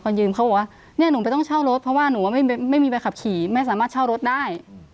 ยืมเขาบอกว่าเนี่ยหนูไม่ต้องเช่ารถเพราะว่าหนูว่าไม่มีใบขับขี่ไม่สามารถเช่ารถได้